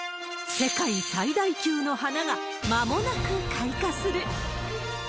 世界最大級の花がまもなく開花する。